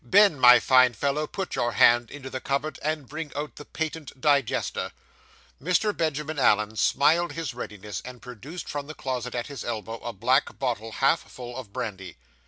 Ben, my fine fellow, put your hand into the cupboard, and bring out the patent digester.' Mr. Benjamin Allen smiled his readiness, and produced from the closet at his elbow a black bottle half full of brandy.